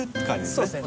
そうですね。